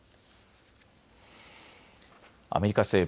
アメリカ西部